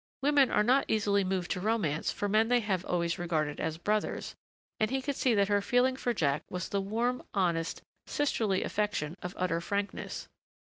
Women are not easily moved to romance for men they have always regarded as brothers and he could see that her feeling for Jack was the warm, honest, sisterly affection of utter frankness.